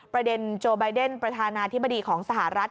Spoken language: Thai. ประเด็นโจ้บายเดนประธานาธิบดีของสหรัฐ